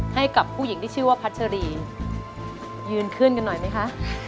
ให้กับผู้หญิงที่ชื่อว่าพัชรียืนขึ้นกันหน่อยไหมคะ